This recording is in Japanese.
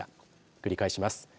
繰り返します。